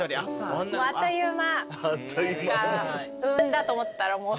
もうあっという間。